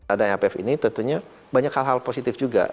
ada ipf ini tentunya banyak hal hal positif juga